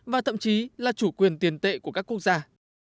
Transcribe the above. và thậm chí là chủ quyền tiền tệ của các quốc gia